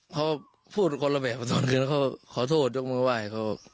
เขาพูดคนละแบบขอโทษยกมือไหว